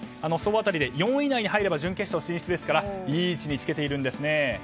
総当たりで４位以内に入れば準決勝進出ですからいい位置につけているんですね。